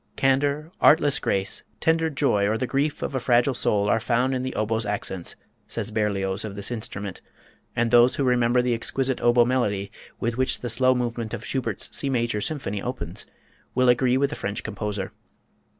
"Candor, artless grace, tender joy, or the grief of a fragile soul, are found in the oboe's accents," says Berlioz of this instrument, and those who remember the exquisite oboe melody, with which the slow movement of Schubert's C major symphony opens, will agree with the French composer.